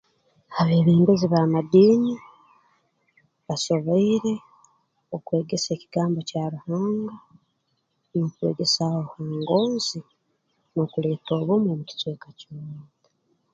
Abeebembezi b'amadiini basoboire okwegesa ekigambo kya Ruhanga n'okwegesaaho ha ngonzi n'okuleeta obumu mu kicweka ky'owaitu